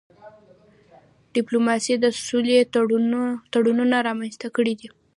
ډيپلوماسي د سولې تړونونه رامنځته کړي دي.